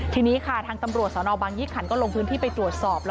ทางตำรวจสนบางยิทธิ์คันลงพื้นที่ไปตรวจสอบ